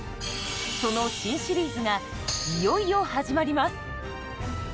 その新シリーズがいよいよ始まります！